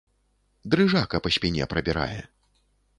Дрыжака па спіне прабірае.